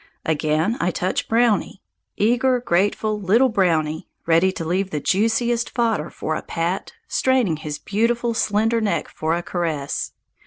Again I touch Brownie, eager, grateful little Brownie, ready to leave the juiciest fodder for a pat, straining his beautiful, slender neck for a caress.